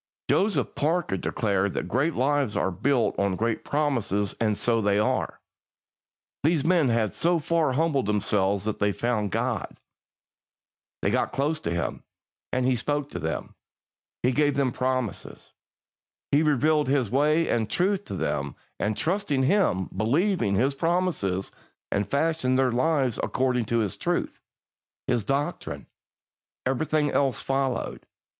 Joseph Parker declared that great lives are built on great promises, and so they are. These men had so far humbled themselves that they found God. They got close to Him, and He spoke to them. He gave them promises. He revealed His way and truth to them, and trusting Him, believing His promises, and fashioning their lives according to His truth His doctrine everything else followed.